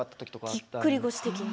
ぎっくり腰的な。